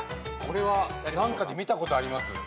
これは何かで見たことあります。